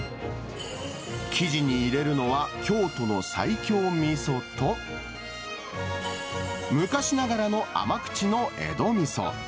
生地に入れるのは、京都の西京みそと、昔ながらの甘口の江戸みそ。